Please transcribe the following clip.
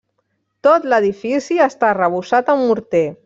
Tot l’edifici està arrebossat amb morter.